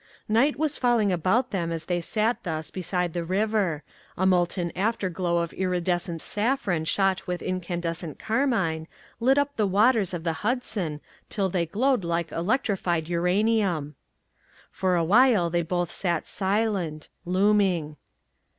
Night was falling about them as they sat thus beside the river. A molten afterglow of iridescent saffron shot with incandescent carmine lit up the waters of the Hudson till they glowed like electrified uranium. For a while they both sat silent, looming.